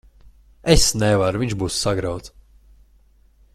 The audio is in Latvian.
Es nevaru. Viņš būtu sagrauts.